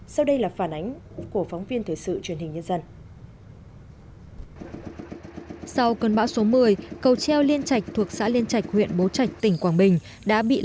sau đây là phản ánh của phóng viên thời sự truyền hình nhân dân